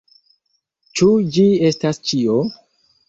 Ĉu ĝi estas ĉio?